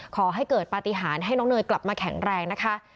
ขอให้เกิดปฏิหารให้น้องเนยกลับมาแข็งแรงนะคะ